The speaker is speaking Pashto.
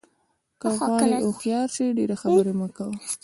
که غواړې هوښیار شې ډېرې خبرې مه کوه.